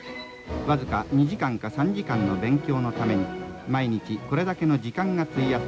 僅か２時間か３時間の勉強のために毎日これだけの時間が費やされるのです。